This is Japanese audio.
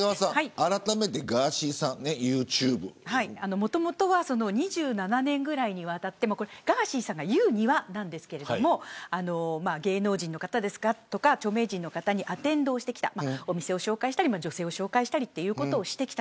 もともとは２７年ぐらいにわたりガーシーさんが言うにはですが芸能人の方とか著名人の方にアテンドをしてきたお店を紹介したり女性を紹介したりしてきた。